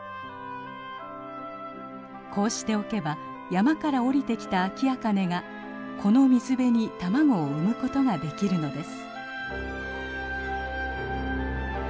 こうしておけば山から下りてきたアキアカネがこの水辺に卵を産むことができるのです。